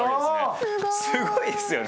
すごいっすよね。